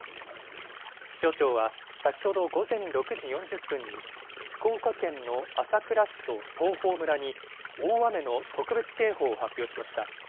気象庁は先ほど午前６時４０分に福岡県の朝倉市と東峰村に、大雨の特別警報を発表しました。